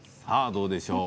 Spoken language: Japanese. どうでしょう